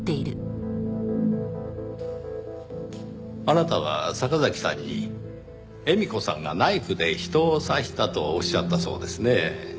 あなたは坂崎さんに絵美子さんがナイフで人を刺したとおっしゃったそうですねぇ。